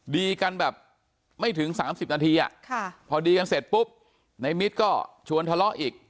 ดีกันแบบไม่ถึง๓๐นาทีพอดีกันเสร็จปุ๊บในมิตรก็ชวนทะเลาะอีก